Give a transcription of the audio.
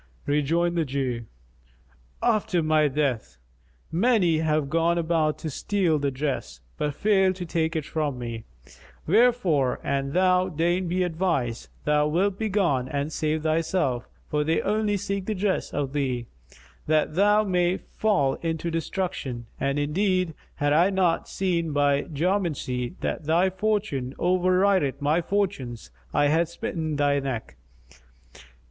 Rejoined the Jew, "After thy death! Many have gone about to steal the dress, but failed to take it from me; wherefore an thou deign be advised, thou wilt begone and save thyself; for they only seek the dress of thee, that thou mayst fall into destruction; and indeed, had I not seen by geomancy that thy fortune overrideth my fortunes I had smitten thy neck."